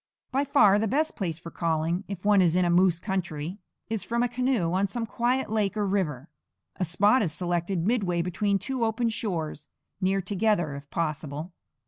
By far the best place for calling, if one is in a moose country, is from a canoe on some quiet lake or river. A spot is selected midway between two open shores, near together if possible.